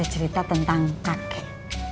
ada cerita tentang kakek